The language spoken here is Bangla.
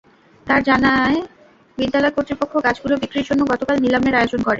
তারা জানায়, বিদ্যালয় কর্তৃপক্ষ গাছগুলো বিক্রির জন্য গতকাল নিলামের আয়োজন করে।